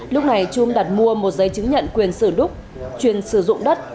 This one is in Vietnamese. lúc này trung đặt mua một giấy chứng nhận quyền sử đúc chuyên sử dụng đất